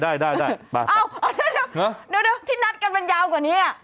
อ้าวที่นัดกันมันยาวกว่านี้